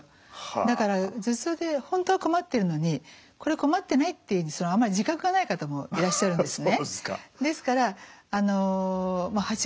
だから頭痛で本当は困っているのにこれ困ってないっていうふうにあまり自覚がない方もいらっしゃるんですね。